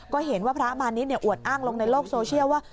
ก็เห็นว่าพระมาณิชย์อวดอ้างลงในโลกโซเชียลว่า